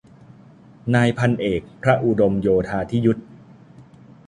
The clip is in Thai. นายพันเอก พระอุดมโยธาธิยุต